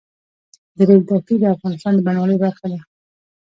د ریګ دښتې د افغانستان د بڼوالۍ برخه ده.